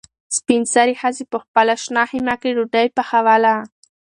سپین سرې ښځې په خپله شنه خیمه کې ډوډۍ پخوله.